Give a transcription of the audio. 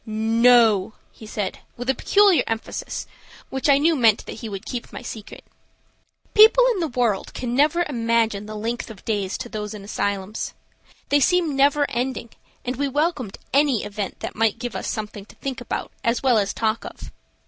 "No," he said, with a peculiar emphasis, which I knew meant that he would keep my secret. People in the world can never imagine the length of days to those in asylums. They seemed never ending, and we welcomed any event that might give us something to think about as well as talk of.